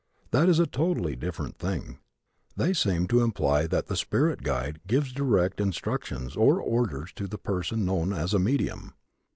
That is a totally different thing. They seem to imply that the "spirit guide" gives direct instructions or orders to the person known as a "medium."